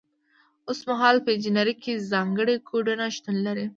اوس مهال په انجنیری کې ځانګړي کوډونه شتون لري.